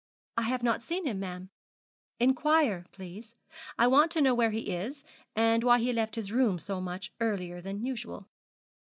'I have not seen him, ma'am.' 'Inquire, please. I want to know where he is, and why he left his room so much earlier than usual.'